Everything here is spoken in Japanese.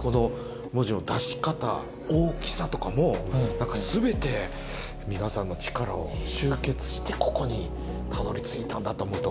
この文字の出し方大きさとかも全て皆さんの力を集結してここにたどり着いたんだと思うと。